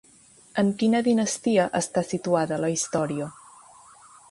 En quina Dinastia està situada la història?